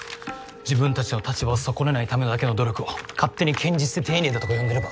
自分たちの立場を損ねないためだけの努力を勝手に堅実で丁寧だとか呼んでれば。